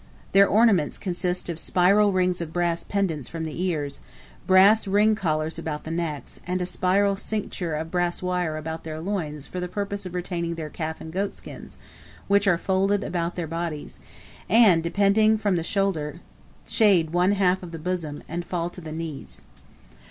Their ornaments consist of spiral rings of brass pendent from the ears, brass ring collars about the necks, and a spiral cincture of brass wire about their loins for the purpose of retaining their calf and goat skins, which are folded about their bodies, and, depending from the shoulder, shade one half of the bosom, and fall to the knees.